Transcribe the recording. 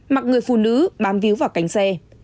mặc người phụ nữ bám víu vào cánh xe